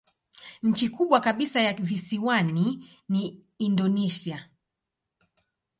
Nchi kubwa kabisa ya visiwani ni Indonesia.